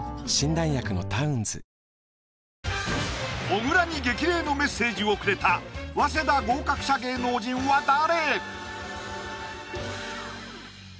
小倉に激励のメッセージをくれた早稲田合格者芸能人は誰？